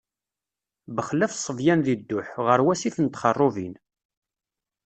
Bexlaf ṣṣebyan deg dduḥ, ɣer wasif n Txerrubin.